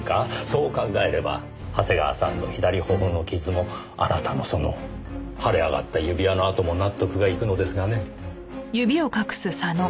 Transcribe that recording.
そう考えれば長谷川さんの左頬の傷もあなたのその腫れ上がった指輪の痕も納得がいくのですがね。